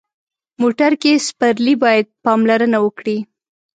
موټر کې سپرلي باید پاملرنه وکړي.